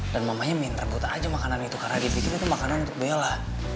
dan mamanya main rebut aja makanan itu karena dibikin itu makanan untuk bella